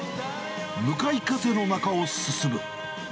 向かい風の中を進む。